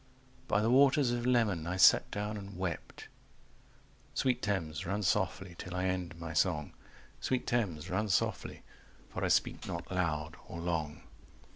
By the waters of Leman I sat down and wept… Sweet Thames, run softly till I end my song, Sweet Thames, run softly, for I speak not loud or long.